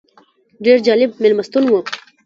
ډېر جالب مېلمستون و.